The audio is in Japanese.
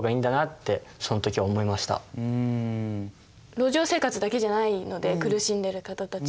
路上生活だけじゃないので苦しんでいる方たちは。